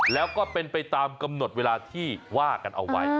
แล้วก็เป็นไปตามกำหนดเวลาที่ว่ากันเอาไว้